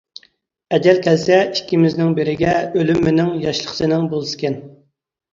ئەجەل كەلسە ئىككىمىزنىڭ بىرىگە، ئۆلۈم مېنىڭ، ياشلىق سېنىڭ بولسىكەن.